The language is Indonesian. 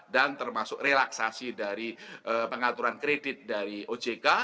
dan termasuk relaksasi dari pengaturan kredit dari ojk